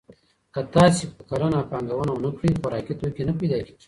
که تاسي په کرنه پانګونه ونه کړئ، خوراکي توکي نه پيدا کېږي.